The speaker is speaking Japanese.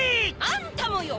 あんたもよ！